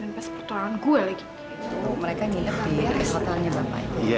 masuk ke dalam